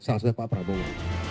salah satu pak prabowo